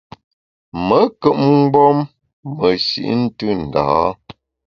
Me nkùp mgbom meshi’ ntù ndâ a.